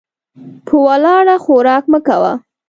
په ولاړه خوراک مه کوه .